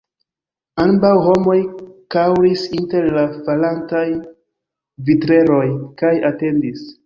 Ambaŭ homoj kaŭris inter la falantaj vitreroj kaj atendis.